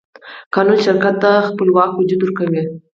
قانون شرکت ته خپلواک وجود ورکوي.